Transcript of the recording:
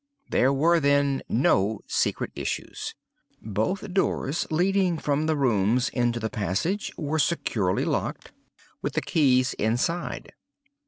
There were, then, no secret issues. Both doors leading from the rooms into the passage were securely locked, with the keys inside.